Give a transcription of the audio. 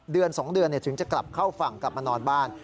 เดือน๒เดือนถึงจะกลับเข้าฝั่งกลับมานอนบ้าน